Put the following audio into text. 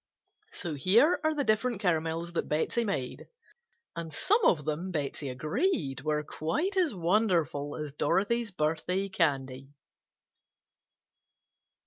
So here are the different caramels that Betsey made, and some of them Betsey agreed were quite as "wonderful" as Dorothy's birthday candy.